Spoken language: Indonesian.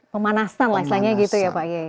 pemanasan lah istilahnya gitu ya pak kiai